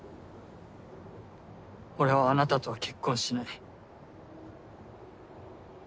俺はあなたとは結婚しない。